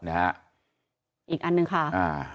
อีกอันนึงค่ะ